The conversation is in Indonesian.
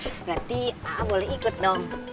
berarti a a boleh ikut dong